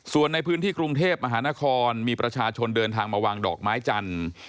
ส่วนในพื้นที่กรุงเทพมหานครมีประชาชนเดินทางมาวางดอกไม้จันทร์